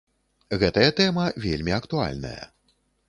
Гэтая тэма вельмі актуальная.